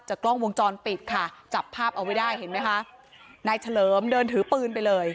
กล้องวงจรปิดค่ะจับภาพเอาไว้ได้เห็นไหมคะนายเฉลิมเดินถือปืนไปเลย